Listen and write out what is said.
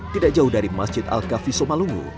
tidak jauh dari masjid al kafi somalungu